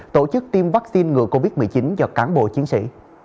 tổ chức tiêm vaccine ngừa covid một mươi chín cho cán bộ chiến sĩ